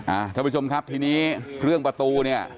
ท่านผู้ชมครับทีนี้เรื่องประตูเนี่ย